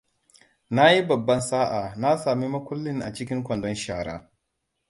Nayi baban sa'a na sami makullin a cikin kwandon shara.